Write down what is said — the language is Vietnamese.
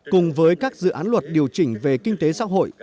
cùng với các dự án luật điều chỉnh về kinh tế xã hội